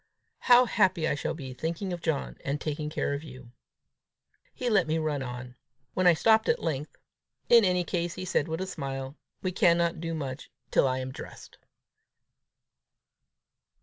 How happy I shall be, thinking of John, and taking care of you!" He let me run on. When I stopped at length "In any case," he said with a smile, "we cannot do much till I am dressed!"